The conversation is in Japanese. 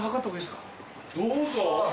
どうぞ。